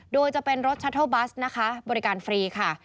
โดยจะเป็นรถชัตเทิลบัสนะคะบริการฟรีค่ะ